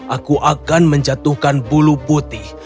aku akan menjatuhkan bulu putih